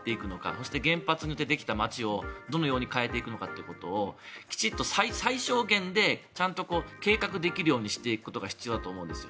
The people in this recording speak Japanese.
そして原発によってできた街をどのように変えていくのかということをきちんと最小限でちゃんと計画できるようにしていくことが必要だと思うんです。